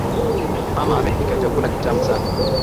Mama amepika chakula kitamu sana.